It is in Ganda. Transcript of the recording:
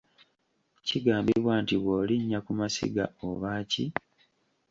Kigambibwa nti bw’olinnya ku masiga oba ki?